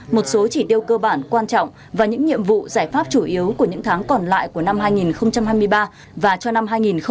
một số chỉ tiêu cơ bản quan trọng và những nhiệm vụ giải pháp chủ yếu của những tháng còn lại của năm hai nghìn hai mươi ba và cho năm hai nghìn hai mươi bốn